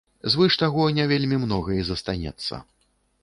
Звыш таго не вельмі многа і застанецца.